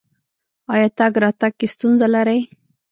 ایا تګ راتګ کې ستونزه لرئ؟